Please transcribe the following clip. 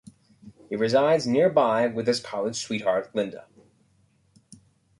He resides nearby with his college sweetheart, Linda.